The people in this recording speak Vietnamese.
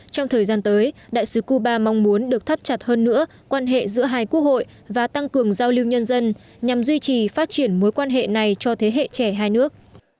trong thời gian tới đại sứ cuba mong muốn được thắt chặt hơn nữa quan hệ giữa hai quốc hội và tăng cường giao lưu nhân dân nhằm duy trì phát triển mối quan hệ này cho thế hệ trẻ hai nước